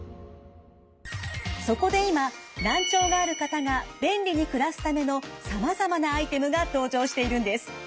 そこで今難聴がある方が便利に暮らすためのさまざまなアイテムが登場しているんです。